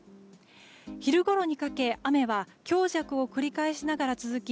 昼ごろにかけ雨は強弱を繰り返しながら続き